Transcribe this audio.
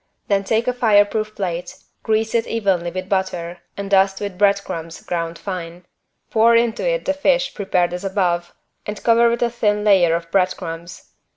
Then take a fireproof plate, grease it evenly with butter and dust with bread crumbs ground fine; pour into it the fish prepared as above and cover with a thin layer of bread crumbs.